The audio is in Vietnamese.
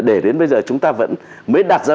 để đến bây giờ chúng ta vẫn mới đặt ra